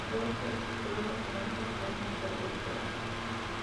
Creo que el futuro emocionante, y usted no puede esperar.